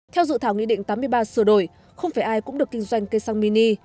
theo dự thảo nghị định tám mươi ba sửa đổi không phải ai cũng được kinh doanh cây xăng mini